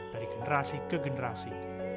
dari generasi ke generasi